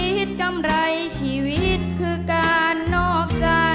ร้องได้ให้ล้าง